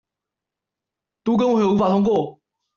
都更為何無法通過